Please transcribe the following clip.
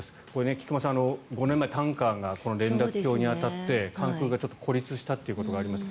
菊間さん、５年前タンカーがこの連絡橋に当たって関空が孤立したということがありました。